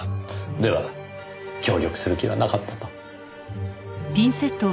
では協力する気はなかったと。